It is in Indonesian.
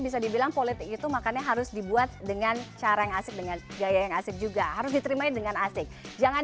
saya kan cuma nanya pasilitasi aja